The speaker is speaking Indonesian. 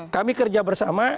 kami kerja bersama